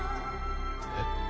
えっ。